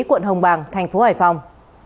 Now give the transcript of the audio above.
quận hồng bàng thành phố hải phòng